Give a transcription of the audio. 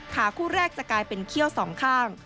ขาคู่แรกจะกลายเป็นเขี้ยวสองข้าง